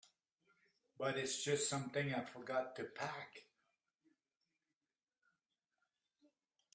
But it's just something I forgot to pack.